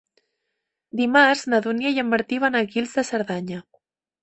Dimarts na Dúnia i en Martí van a Guils de Cerdanya.